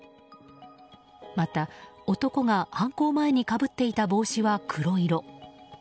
また、男が犯行前にかぶっていた帽子は黒色。